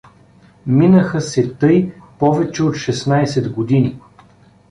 Минаха се тъй повече от шестнайсет години.